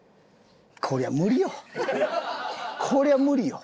こりゃ無理よ。